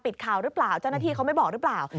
ข่าวหรือเปล่าเจ้าหน้าที่เขาไม่บอกหรือเปล่า